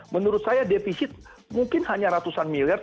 menurut saya defisit mungkin hanya ratusan miliar